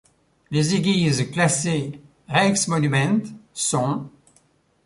Les églises classées Rijksmonument sont.